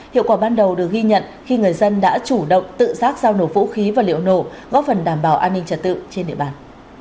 hiệu quả ban đầu được ghi nhận khi người dân đã chủ động tự giác giao nổ vũ khí và liệu nổ góp phần đảm bảo an ninh trật tự trên địa bàn